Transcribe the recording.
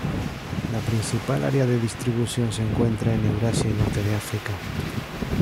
La principal área de distribución se encuentra en Eurasia y norte de África.